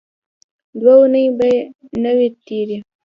دوه اوونۍ به نه وې تېرې.